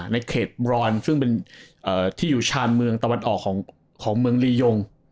ในเขตบรอนซึ่งเป็นที่อยู่ชานเมืองตะวันออกของเมืองลียง